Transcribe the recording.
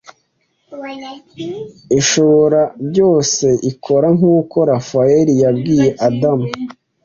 Ishoborabyose ikora nkuko Raphael yabwiye Adamu